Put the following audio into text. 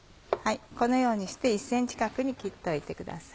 このようにして１ｃｍ角に切っておいてください。